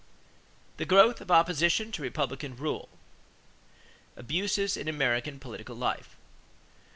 THE GROWTH OF OPPOSITION TO REPUBLICAN RULE =Abuses in American Political Life.